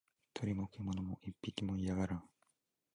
鳥も獣も一匹も居やがらん